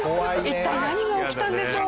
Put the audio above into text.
一体何が起きたんでしょう？